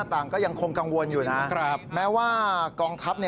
ต่างก็ยังคงกังวลอยู่นะแม้ว่ากองทัพ